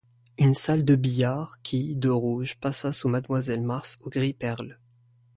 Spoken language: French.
Une salle de billard qui, de rouge, passa sous Mademoiselle Mars au gris perle.